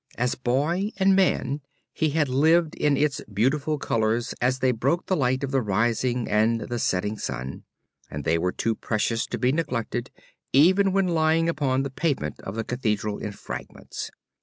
As boy and man he had lived in its beautiful colors as they broke the light of the rising and the setting sun and they were too precious to be neglected even when lying upon the pavement of the Cathedral in fragments.